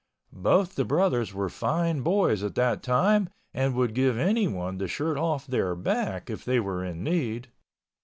Both the brothers were fine boys at that time and would give anyone the shirt off their back if they were in need.